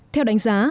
theo đánh giá